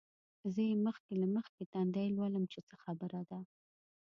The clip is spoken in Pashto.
زه یې مخکې له مخکې تندی لولم چې څه خبره ده.